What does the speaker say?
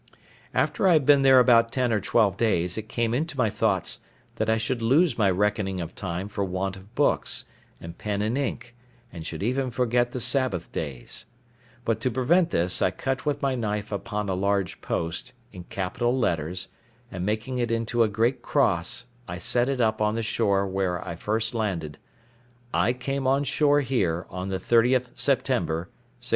After I had been there about ten or twelve days, it came into my thoughts that I should lose my reckoning of time for want of books, and pen and ink, and should even forget the Sabbath days; but to prevent this, I cut with my knife upon a large post, in capital letters—and making it into a great cross, I set it up on the shore where I first landed—"I came on shore here on the 30th September 1659."